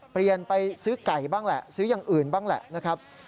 เปลี่ยนไปซื้อไก่บ้างแหละซื้ออย่างอื่นบ้างแหละนะครับ